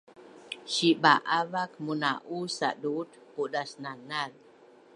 Siba’avak muna’u saduut qudasnanaz